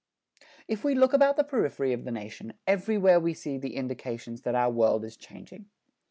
If we look about the periphery of the nation, everywhere we see the indications that our world is changing.